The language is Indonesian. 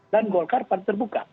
dan golkar pada terbuka